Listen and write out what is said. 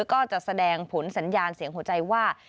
ก็จะแสดงผลสัญญาณเสียงหัวใจว่า